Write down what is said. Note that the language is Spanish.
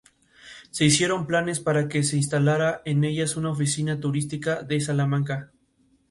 Se hicieron planes para que se instalara en ellas una Oficina Turística de Salamanca.